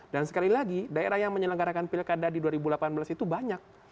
dan sekali lagi daerah yang menyelenggarakan pilkada di dua ribu delapan belas itu banyak